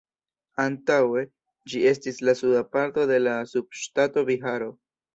Antaŭe, ĝi estis la suda parto de la subŝtato Biharo.